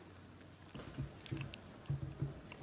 dan dalam sidang ini adalah kepentingan pemilu